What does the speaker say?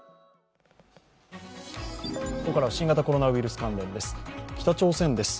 ここからは新型コロナウイルス関連です。